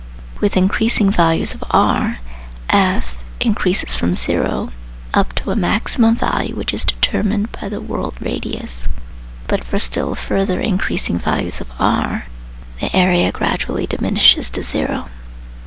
With increasing values of r, F increases from zero up to a maximum value which is determined by the " world radius," but for still further increasing values of r, the area gradually diminishes to zero.